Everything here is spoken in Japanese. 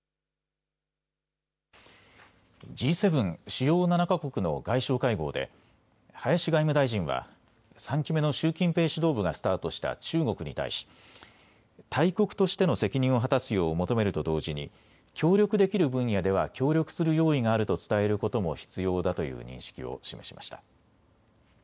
主要７か国の外相会合で林外務大臣は３期目の習近平指導部がスタートした中国に対し大国としての責任を果たすよう求めると同時に協力できる分野では協力する用意があると伝えることも必要だという認識を示しました。